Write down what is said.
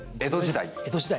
江戸時代？